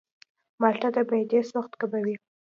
مالټه د معدې سوخت کموي.